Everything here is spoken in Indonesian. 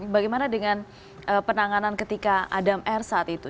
bagaimana dengan penanganan ketika adam r saat itu